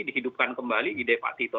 dihidupkan kembali ide pak tito